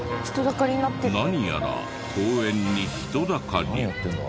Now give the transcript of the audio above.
何やら公園に人だかり。